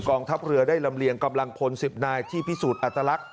ทัพเรือได้ลำเลียงกำลังพล๑๐นายที่พิสูจน์อัตลักษณ